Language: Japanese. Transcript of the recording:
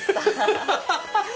ハハハハ！